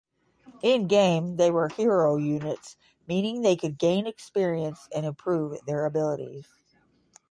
In-game, they were "Hero" units, meaning they could gain experience and improve their abilities.